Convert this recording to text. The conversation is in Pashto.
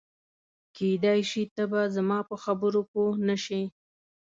کېدای شي ته به زما په خبرو پوه نه شې.